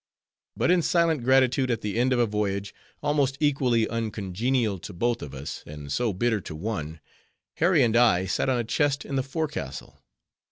But in silent gratitude at the end of a voyage, almost equally uncongenial to both of us, and so bitter to one, Harry and I sat on a chest in the forecastle.